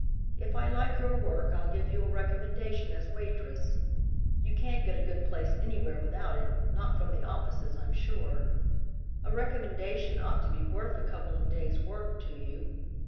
If I like your work, I'll give you a recommendation as waitress. You can't get a good place anywhere without it, not from the offices, I'm sure. A recommendation ought to be worth a couple of days' work to you.